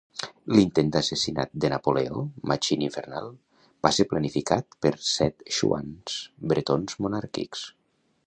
L'intent d'assassinat de Napoleó (machine infernale) va ser planificat per set xuans bretons monàrquics.